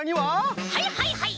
はいはいはい！